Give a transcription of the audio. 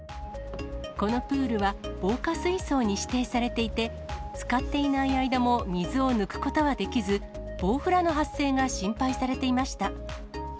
このプールは、防火水槽に指定されていて、使っていない間も水を抜くことができず、ボウフラの発生が心配されていました。